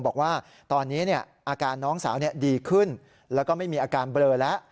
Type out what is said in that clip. บอกว่าตอนนี้อาการน้องสาวดีขึ้นแล้วก็ไม่มีอาการเบลอแล้ว